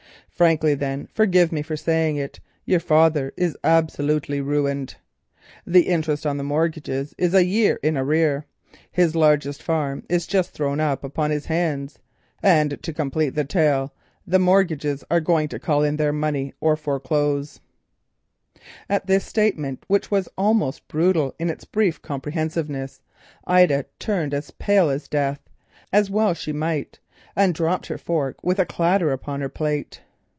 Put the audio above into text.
Frankly, then—forgive me for saying it, your father is absolutely ruined. The interest on the mortgages is a year in arrear, his largest farm has just been thrown upon his hands, and, to complete the tale, the mortgagees are going to call in their money or foreclose." At this statement, which was almost brutal in its brief comprehensiveness, Ida turned pale as death, as well she might, and dropped her fork with a clatter upon the plate.